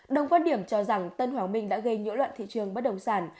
đồng phát điểm cho rằng tân hoàng minh đã gây nhũa loạn thị trường bất đồng sản